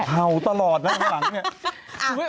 เห่าตลอดนะถึงกลางนี้